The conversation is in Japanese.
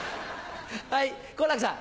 はい好楽さん。